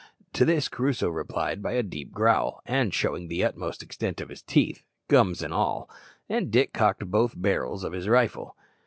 To this Crusoe replied by a deep growl, and showing the utmost extent of his teeth, gums and all; and Dick cocked both barrels of his rifle.